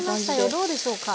どうでしょうか。